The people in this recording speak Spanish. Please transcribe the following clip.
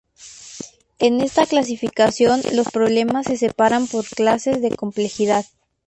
En esta clasificación los problemas se separan por clases de complejidad.